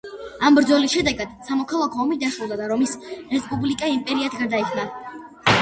ამ ბრძოლის შედეგად სამოქალაქო ომი დასრულდა და რომის რესპუბლიკა იმპერიად გარდაიქმნა.